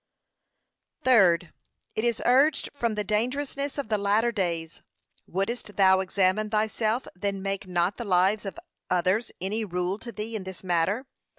Third, It is urged from the dangerousness of the latter days. Wouldst thou examine thyself, then make not the lives of others any rule to thee in this matter.